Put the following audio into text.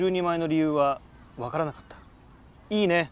いいね？